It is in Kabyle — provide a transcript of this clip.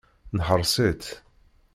Neḥreṣ-itt.